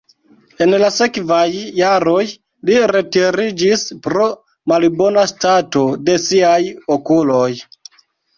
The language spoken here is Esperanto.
En la sekvaj jaroj li retiriĝis pro malbona stato de siaj okuloj.